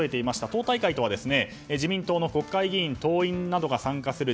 党大会とは、自民党の国会議員・党員などが参加する